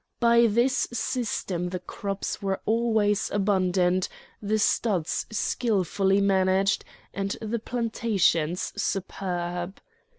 By this system the crops were always abundant, the studs skilfully managed, and the plantations superb.